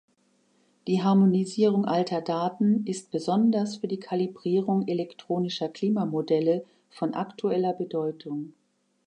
Die Harmonisierung alter Daten ist besonders für die Kalibrierung elektronischer Klimamodelle von aktueller Bedeutung.